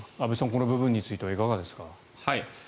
この部分についてはいかがですか。